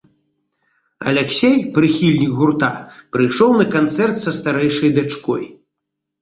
Аляксей, прыхільнік гурта, прыйшоў на канцэрт са старэйшай дачкой.